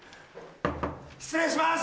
失礼します！